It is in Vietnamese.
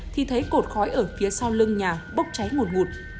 thì thấy cột khói ở phía sau lưng nhà bốc cháy ngủn ngụt